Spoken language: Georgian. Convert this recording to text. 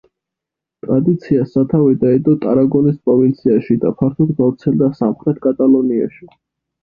ტრადიციას სათავე დაედო ტარაგონის პროვინციაში და ფართოდ გავრცელდა სამხრეთ კატალონიაში.